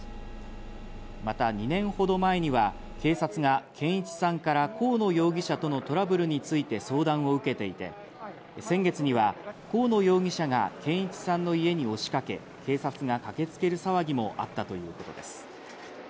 また、２年ほど前には警察が健一さんから河野容疑者とのトラブルについて相談を受けていて、先月には河野容疑者が健一さんの家に押しかけ、警察が駆けつける騒ぎもあったということです。